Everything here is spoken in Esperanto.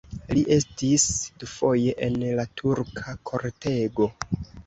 Li estis dufoje en la turka kortego.